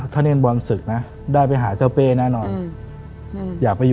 ก็เลยเล่าให้ฟัง